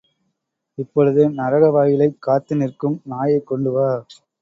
இப்பொழுது, நரக வாயிலைக் காத்து நிற்கும் நாயைக் கொண்டு வா!